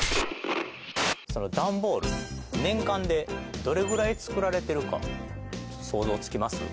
そのダンボール年間でどれぐらい作られてるかちょっと想像つきます？